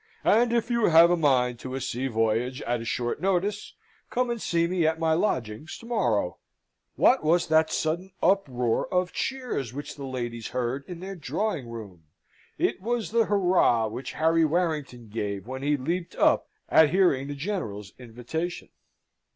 "And if you have a mind to a sea voyage at a short notice, come and see me at my lodgings to morrow." What was that sudden uproar of cheers which the ladies heard in their drawing room? It was the hurrah which Harry Warrington gave when he leaped up at hearing the General's invitation.